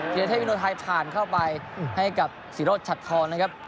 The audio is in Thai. ทีละเทพวิโนไทยผ่านเข้าไปให้กับศิโรธชัดทองนะครับ